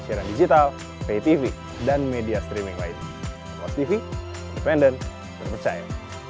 siaran digital pay tv dan media streaming lain tv pendek percaya